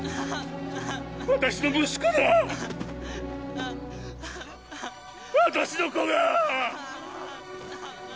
私の息子だ私の子が！